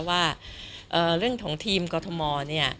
ว่าเรื่องของทีมกรทมเนี่ย